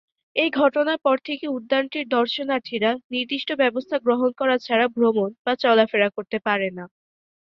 এ ঘটনার পর থেকে উদ্যানটির দর্শনার্থীরা নির্দিষ্ট ব্যবস্থা গ্রহণ করা ছাড়া ভ্রমণ বা চলাফেরা করতে পারে না।